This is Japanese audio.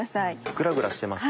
グラグラしてますね。